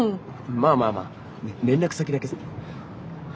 まあまあまあ連絡先だけさ。